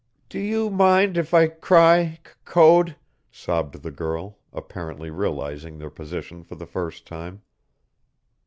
"Do you mind if I cry, C Code?" sobbed the girl, apparently realizing their position for the first time.